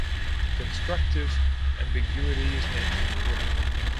The constructive ambiguity is mentioned here.